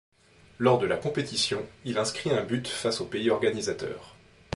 Lors de la compétition, il inscrit un but face au pays organisateur.